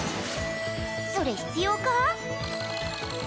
それ必要か？